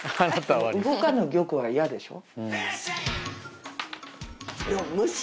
動かぬギョクは嫌でしょ。